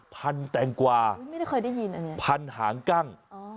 พันธุ์แตงกวาพันธุ์หางกั้ง